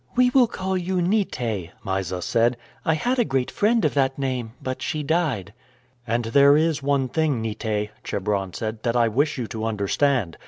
"We will call you Nite," Mysa said. "I had a great friend of that name, but she died." "And there is one thing, Nite," Chebron said, "that I wish you to understand.